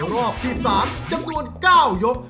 รอบที่๓จำนวน๙ยก